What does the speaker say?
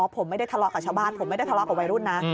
ผมไม่ได้ทะเลาะกับชาวบ้านผมไม่ได้ทะเลาะกับวัยรุ่นนะ